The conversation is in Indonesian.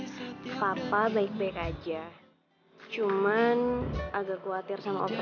saya juga kijken prophet